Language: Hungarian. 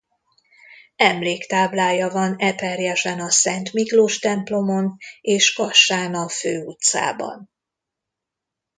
Emléktáblája van Eperjesen a Szent Miklós templomon és Kassán a Fő utcában.